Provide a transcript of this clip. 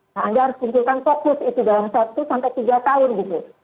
nah anda harus kumpulkan fokus itu dalam satu sampai tiga tahun gitu